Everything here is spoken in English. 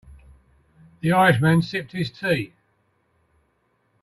The Irish man sipped his tea.